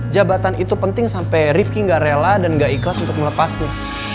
jabatan itu penting sampai rifki nggak rela dan gak ikhlas untuk melepasnya